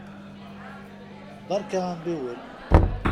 Beṛka ambiwel!